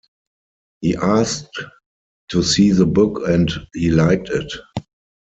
He asked to see the book and he liked it.